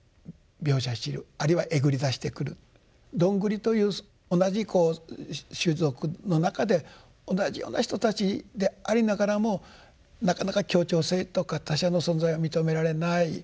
どんぐりという同じ種族の中で同じような人たちでありながらもなかなか協調性とか他者の存在を認められない。